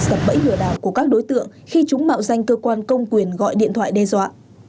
sập bẫy lừa đảo của các đối tượng khi chúng mạo danh cơ quan công quyền gọi điện thoại đe dọa